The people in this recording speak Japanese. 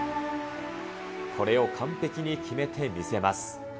これを完璧に決めて見せます。